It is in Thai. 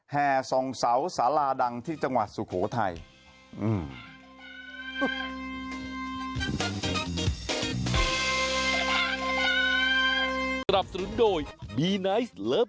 แห่ส่องเสาสาราดังที่จังหวัดสุโขทัย